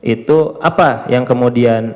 itu apa yang kemudian